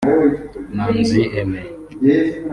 Manzi Aimé